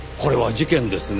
事件ですよ！